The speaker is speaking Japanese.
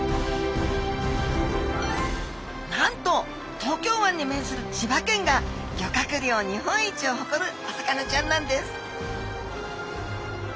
なんと東京湾に面する千葉県が漁獲量日本一をほこるお魚ちゃんなんです！